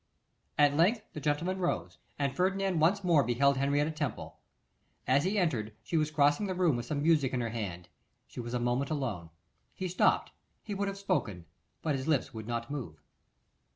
At length the gentlemen rose, and Ferdinand once more beheld Henrietta Temple. As he entered, she was crossing the room with some music in her hand, she was a moment alone. He stopped, he would have spoken, but his lips would not move.